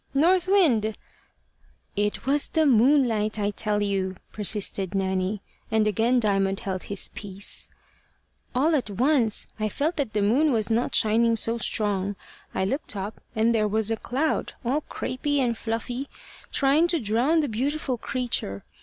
"North Wind " "It was the moonlight, I tell you," persisted Nanny, and again Diamond held his peace. "All at once I felt that the moon was not shining so strong. I looked up, and there was a cloud, all crapey and fluffy, trying to drown the beautiful creature.